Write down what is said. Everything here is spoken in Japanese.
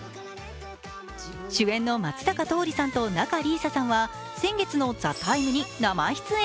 主演の松坂桃李さんと仲里依紗さんは先月の「ＴＨＥＴＩＭＥ，」に生出演。